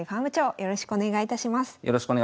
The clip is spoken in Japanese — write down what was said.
よろしくお願いします。